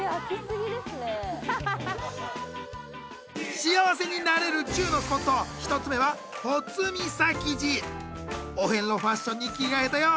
幸せになれる１０のスポット１つ目は最御崎寺お遍路ファッションに着替えたよ！